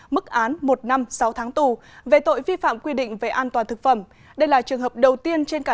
mức án một năm sáu tháng tù về tội vi phạm quy định về an toàn thực phẩm đây là trường hợp đầu tiên trên cả